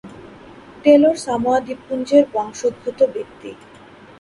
Taylor Samoa দ্বীপপুঞ্জের বংশোদ্ভূত ব্যক্তি।